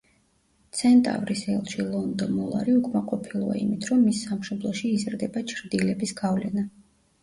ცენტავრის ელჩი ლონდო მოლარი უკმაყოფილოა იმით რომ მის სამშობლოში იზრდება ჩრდილების გავლენა.